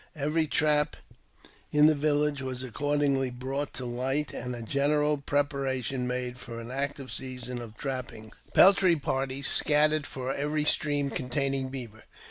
Every trap in the village was accordingly brought to ; light, and a general preparation made for an active season of • trapping : peltry parties scattered for every stream containing beaver.